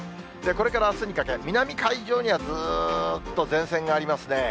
これからあすにかけ、南海上にはずーっと前線がありますね。